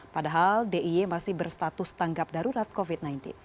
padahal d i e masih berstatus tanggap darurat covid sembilan belas